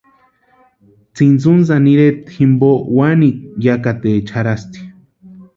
Tsʼintsutsani ireta jimpo wanikwa yakataecha jarhasti.